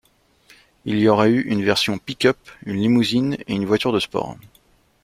Il y aurait eu une version pick-up, une limousine et une voiture de sport.